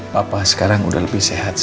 papa sekarang udah lebih sehat